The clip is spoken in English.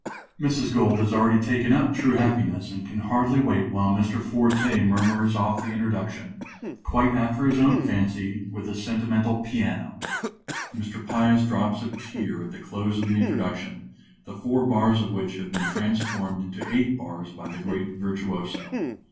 (_Mrs. Gold has already taken up "True Happiness," and can hardly wait while Mr. Forte murmurs off the introduction, quite after his own fancy, with a sentimental piano. Mr. Pious drops a tear at the close of the introduction, the four bars of which have been transformed into eight bars by the great virtuoso.